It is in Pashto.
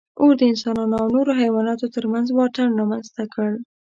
اور د انسان او نورو حیواناتو تر منځ واټن رامنځ ته کړ.